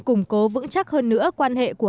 củng cố vững chắc hơn nữa quan hệ của